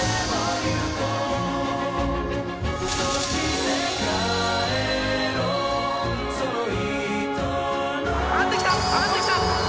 上がってきた！